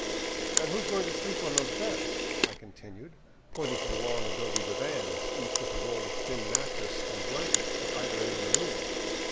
And who is going to sleep on those beds ?" I con tinued, pointing to the long adobe divans, each with a roll of thin mattress and blankets, at either end of the room.